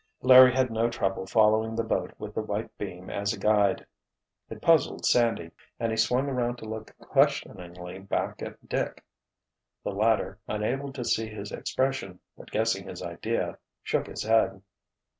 Larry had no trouble following the boat with the white beam as a guide. It puzzled Sandy, and he swung around to look questioningly back at Dick. The latter, unable to see his expression, but guessing his idea, shook his head.